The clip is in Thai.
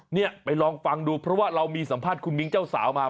เนี่ยไปลองฟังดูเพราะว่าเรามีสัมภาษณ์คุณมิ้งเจ้าสาวมา